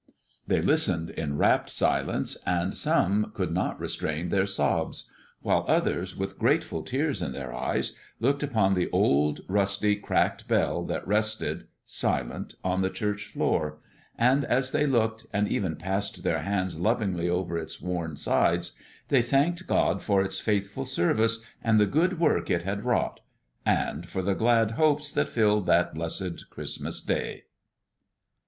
_" They listened in rapt silence, and some could not restrain their sobs, while others with grateful tears in their eyes looked upon the old, rusty, cracked bell that rested, silent, on the church floor; and as they looked, and even passed their hands lovingly over its worn sides, they thanked God for its faithful service and the good work it had wrought and for the glad hopes that filled that blessed Christmas Day.